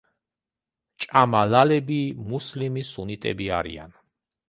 ჭამალალები მუსლიმი-სუნიტები არიან.